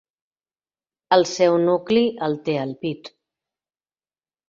El seu nucli el té al pit.